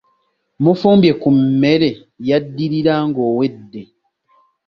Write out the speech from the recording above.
Mufumbye ku mmere yaddirira ng’owedde.